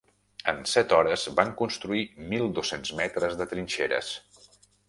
En set hores, van construir mil dos-cents metres de trinxeres